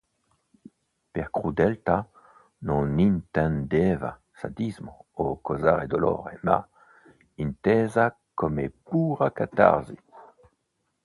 Per crudeltà non intendeva sadismo, o causare dolore, ma intesa come pura catarsi.